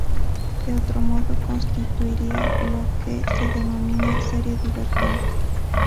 De otro modo, constituiría lo que se denomina serie divergente.